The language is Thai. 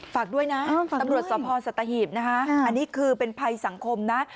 ฝากด้วยนะสตมรสพสตหีบอันนี้เป็นภัยสังคมนะ